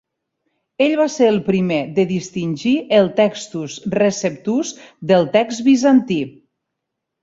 Ell va ser el primer de distingir el "Textus Receptus" del text bizantí.